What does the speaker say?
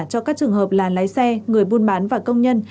cho các trường hợp là lái xe người buôn bán và công nhân